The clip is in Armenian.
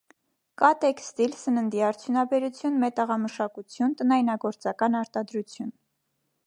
Կա տեքստիլ, սննդի արդյունաբերություն, մետաղամշակություն, տնայնագործական արտադրություն։